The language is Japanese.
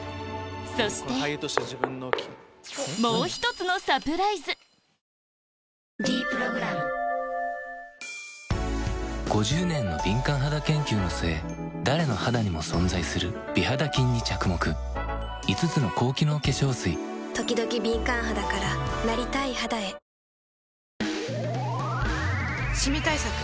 そして「ｄプログラム」５０年の敏感肌研究の末誰の肌にも存在する美肌菌に着目５つの高機能化粧水ときどき敏感肌からなりたい肌へシミ対策